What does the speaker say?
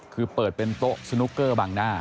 คือเปิดเป็นโต๊ะสนุกเกอร์บางหน้า